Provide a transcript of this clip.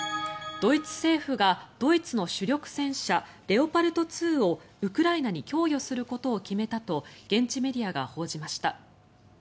ドイツ政府がドイツの主力戦車レオパルト２をウクライナに供与することを決めたと現地メディアが報じました。